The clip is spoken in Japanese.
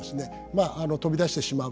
まあ飛び出してしまう。